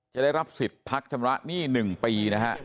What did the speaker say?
ได้รับสิทธิ์พักชำระหนี้๑ปีนะฮะ